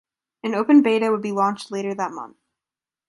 An open beta would be launched later that month.